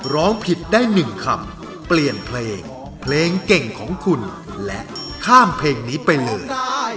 ร้องผิดได้๑คำเปลี่ยนเพลงเพลงเก่งของคุณและข้ามเพลงนี้ไปเลย